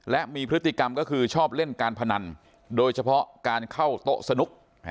และมีพฤติกรรมก็คือชอบเล่นการพนันโดยเฉพาะการเข้าโต๊ะสนุก